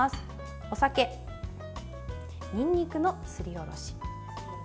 お酒、にんにくのすりおろし。